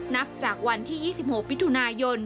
นับจากวันที่๒๖มิถุนายน